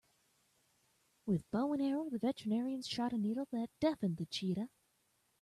With bow and arrow the veterinarian shot a needle that deafened the cheetah.